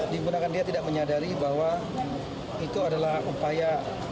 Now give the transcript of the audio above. digunakan dia tidak menyadari bahwa itu adalah upaya